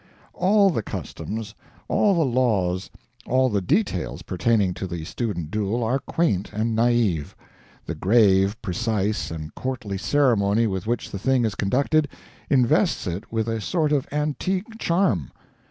All the customs, all the laws, all the details, pertaining to the student duel are quaint and naive. The grave, precise, and courtly ceremony with which the thing is conducted, invests it with a sort of antique charm.